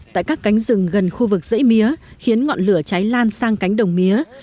tại các cánh rừng gần khu vực dãy mía khiến ngọn lửa cháy lan sang cánh đồng mía